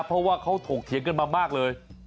เพราะว่าเขาถกเถียงกันมามากเลย